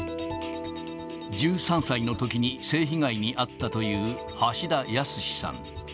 １３歳のときに性被害に遭ったという橋田康さん。